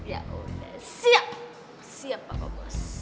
ya udah siap siap papa bos